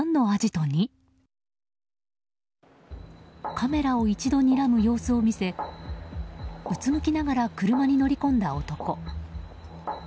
カメラを一度にらむ様子を見せうつむきながら車に乗り込んだ男。